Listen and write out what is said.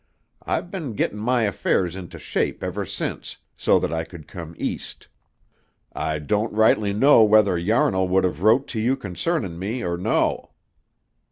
I've been gettin' my affairs into shape ever since, so that I could come East. I don't rightly know whether Yarnall would have wrote to you concernin' me or no."